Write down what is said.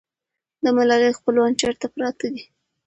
د ملالۍ خپلوان چېرته پراته دي؟